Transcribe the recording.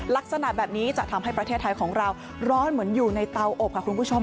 ลักษณะแบบนี้จะทำให้ประเทศไทยของเราร้อนเหมือนอยู่ในเตาอบค่ะคุณผู้ชม